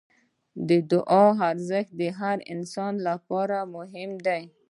د دعا ارزښت د هر انسان لپاره مهم دی.